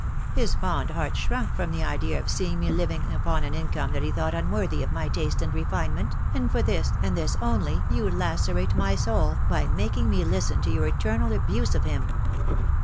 His fond heart shrunk from the idea of seeing me living upon an income that he thought unworthy of my taste and refinement, and for this, and this only, you lacerate my soul, by making me listen to your eternal abuse of him."